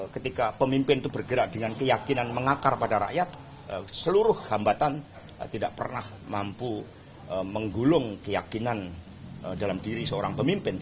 ketika pemimpin itu bergerak dengan keyakinan mengakar pada rakyat seluruh hambatan tidak pernah mampu menggulung keyakinan dalam diri seorang pemimpin